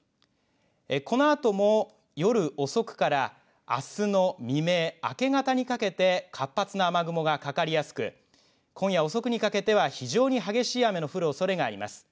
このあとも夜遅くからあすの未明、明け方にかけて活発な雨雲がかかりやすく今夜遅くにかけては非常に激しい雨の降るおそれがあります。